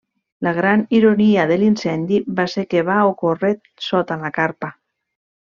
La gran ironia de l'incendi va ser que va ocórrer sota la carpa.